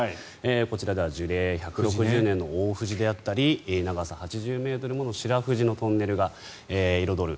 こちらでは樹齢１６０年の大藤であったり長さ８０ｍもの白藤のトンネルが彩る。